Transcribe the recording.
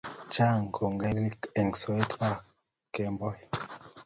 Chang kogelik eng soet barak kemboi